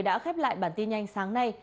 đã khép lại bản tin nhanh sáng nay